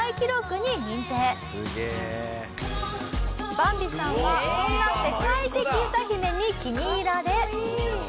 バンビさんはそんな世界的歌姫に気に入られ。